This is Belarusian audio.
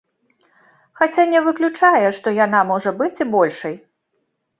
Хаця не выключае, што яна можа быць і большай.